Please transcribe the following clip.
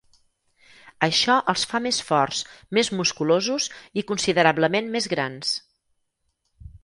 Això els fa més forts, més musculosos i considerablement més grans.